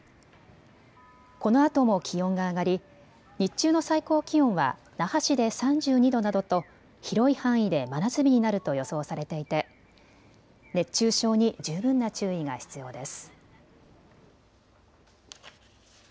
このあとも気温が上がり日中の最高気温は那覇市で３２度などと広い範囲で真夏日になると予想されていて熱中症に十分な注意が必要です。